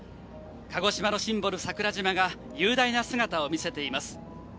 鹿児島のシンボル、桜島が雄大な姿を見せています。